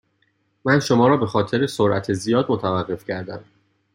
من شما را به خاطر سرعت زیاد متوقف کردم.